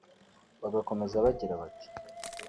bakomeza bagira bati